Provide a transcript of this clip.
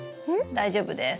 大丈夫です。